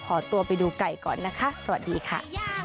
ขอตัวไปดูไก่ก่อนนะคะสวัสดีค่ะ